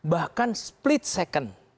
bahkan split second